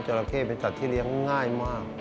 ราเข้เป็นสัตว์ที่เลี้ยงง่ายมาก